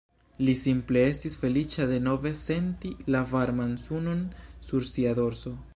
Li simple estis feliĉa denove senti la varman sunon sur sia dorso.